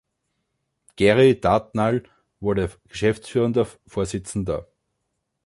Gary Dartnall wurde geschäftsführender Vorsitzender.